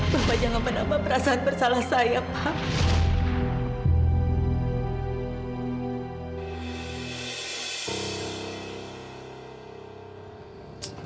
bapak jangan pernah memperasaan bersalah saya pak